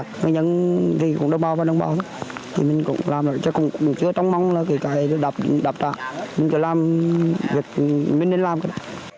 công nhân thì cũng đồng bào và đồng bào lắm thì mình cũng làm được chắc cũng chưa tông mong là cái đập tạ mình chỉ làm việc mình nên làm thôi